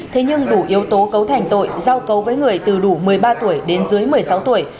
thế nhưng đủ yếu tố cấu thành tội giao cấu với người từ đủ một mươi ba tuổi đến dưới một mươi sáu tuổi